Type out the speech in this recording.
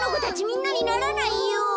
みんなにならないよ。